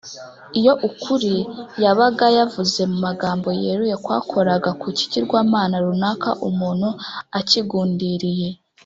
iyo ukuri yabaga yavuze mu magambo yeruye kwakoraga ku kigirwamana runaka umuntu akigundiriye,